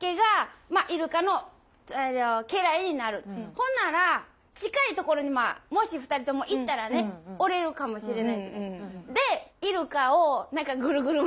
ほんなら近い所にもし２人とも行ったらねおれるかもしれないじゃないですか。